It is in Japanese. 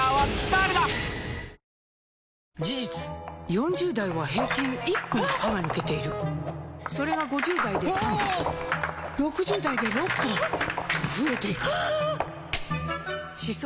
事実４０代は平均１本歯が抜けているそれが５０代で３本６０代で６本と増えていく歯槽